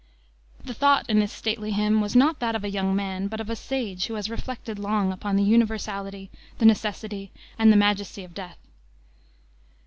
The thought in this stately hymn was not that of a young man, but of a sage who has reflected long upon the universality, the necessity, and the majesty of death.